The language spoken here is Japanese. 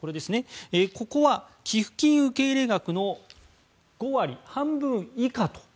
ここは寄付金受け入れ額の５割半分以下と。